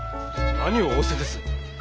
何を仰せです。